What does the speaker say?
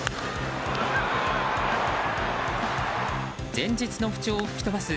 前日の不調を吹き飛ばす